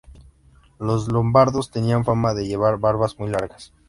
Los lombardos tenían fama de llevar barbas muy largas.